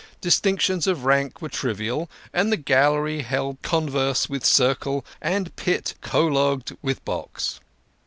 Distinctions of rank were trivial, and gallery held converse with circle, and pit col logued with box.